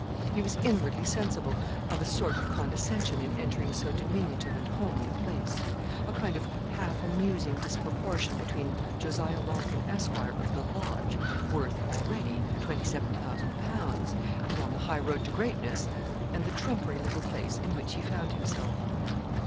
He was inwardly sensible of a sort of condescension in entering so diminutive and homely a place a kind of half amusing disproportion between Jos. Larkin, Esq., of the Lodge, worth, already, £27,000, and on the high road to greatness, and the trumpery little place in which he found himself.